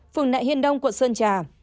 phường nại hiên đông quận sơn trà